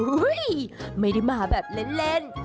หุ้ยไม่ได้มาแบบเล่น